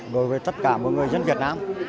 đối với tất cả mọi người dân việt nam